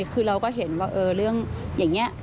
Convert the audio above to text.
คือเราก็เห็นว่าเรื่องอย่างนี้